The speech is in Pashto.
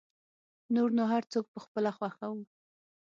نور نو هر څوک په خپله خوښه و.